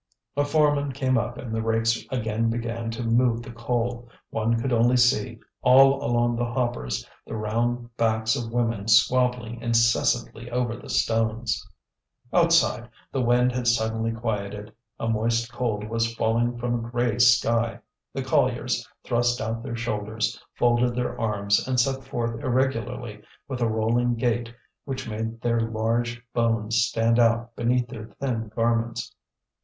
A foreman came up and the rakes again began to move the coal. One could only see, all along the hoppers, the round backs of women squabbling incessantly over the stones. Outside, the wind had suddenly quieted; a moist cold was falling from a grey sky. The colliers thrust out their shoulders, folded their arms, and set forth irregularly, with a rolling gait which made their large bones stand out beneath their thin garments.